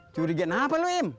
curiga kenapa lu em